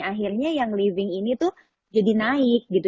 akhirnya yang leaving ini itu jadi naik gitu